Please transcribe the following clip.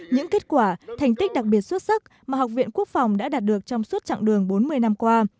những kết quả thành tích đặc biệt xuất sắc mà học viện quốc phòng đã đạt được trong suốt chặng đường bốn mươi năm qua